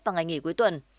vào ngày nghỉ cuối tuần